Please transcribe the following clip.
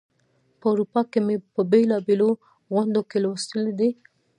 په اروپا کې مي په بېلو بېلو غونډو کې لوستې دي.